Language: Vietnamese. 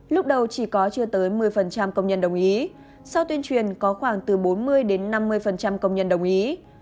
lúc đầu chỉ có chưa tới một mươi công nhân đồng ý sau tuyên truyền có khoảng từ bốn mươi đến năm mươi công nhân đồng ý